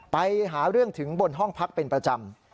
ไปหาเรื่องถึงบนห้องพักเป็นประจำ